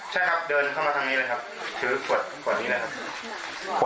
ใช่ครับเดินเข้ามาทางนี้เลยครับถือขวดขวดนี้เลยครับ